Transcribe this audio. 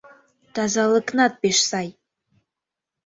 Тазалыкнат пеш сай.